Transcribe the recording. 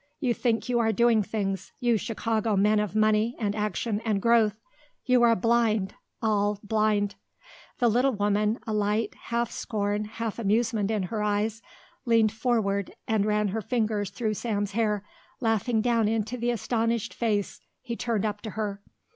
You think you are doing things, you Chicago men of money and action and growth. You are blind, all blind." The little woman, a light, half scorn, half amusement in her eyes, leaned forward and ran her fingers through Sam's hair, laughing down into the astonished face he turned up to her.